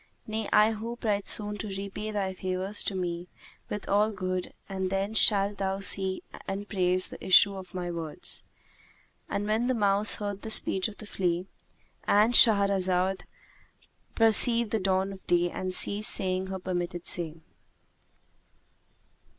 Nay I hope right soon to repay thy favours to me with all good and then shalt thou see and praise the issue of my words." And when the mouse heard the speech of the flea, And Shahrazad perceived the dawn of day and ceased saying her permitted say.